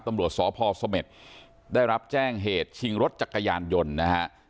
ตำรวจสพสเม็ดได้รับแจ้งเหตุชิงรถจักรยานยนต์นะฮะ